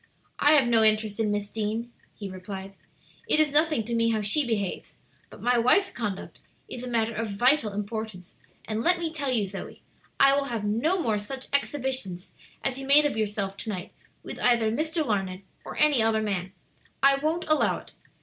"I have no interest in Miss Deane," he replied; "it is nothing to me how she behaves, but my wife's conduct is a matter of vital importance; and let me tell you, Zoe, I will have no more such exhibitions as you made of yourself to night with either Mr. Larned or any other man. I won't allow it.